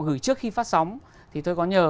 gửi trước khi phát sóng thì tôi có nhờ